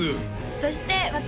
そして私